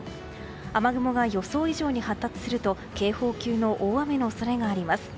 雨雲が予想以上に発達すると警報級の大雨の恐れがあります。